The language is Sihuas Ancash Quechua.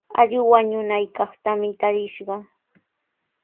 Allqu wañunaykaqtami tarishqaa.